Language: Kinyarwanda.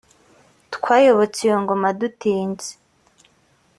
twayobotse iyo ngoma dutinze